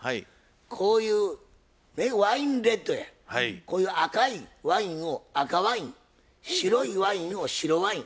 こういうワインレッドやこういう赤いワインを赤ワイン白いワインを白ワイン。